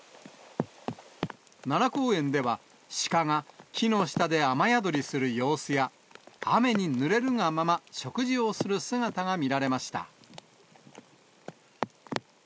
奈良公園では、シカが木の下で雨宿りする様子や、雨にぬれるがまま食事をする姿が見られました。